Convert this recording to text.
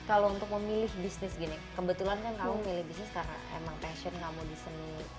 kalau untuk memilih bisnis gini kebetulan kan kamu milih bisnis karena emang passion kamu di seni